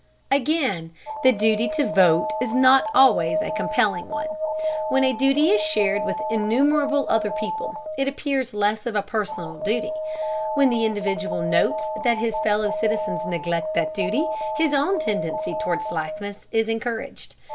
Again, the duty to vote is not always a compelling one. When a duty is shared with innumerable other people, it appears less of a personal duty; when the individual notes that his fellow citizens neglect that duty, his own tendency toward slackness is encouraged.